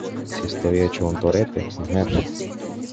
si estoy hecho un torete, mujer.